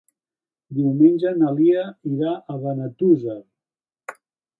Diumenge na Lia irà a Benetússer.